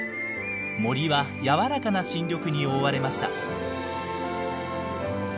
森は柔らかな新緑に覆われました。